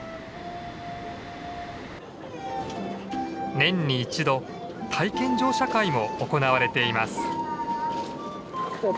年に１度体験乗車会も行われています。